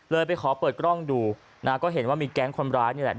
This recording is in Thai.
ไปขอเปิดกล้องดูนะก็เห็นว่ามีแก๊งคนร้ายนี่แหละ